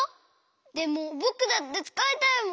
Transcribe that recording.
でもぼくだってつかいたいもん。